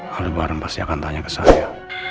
aldebaran pasti akan tanya ke saya